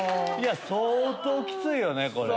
相当きついよね。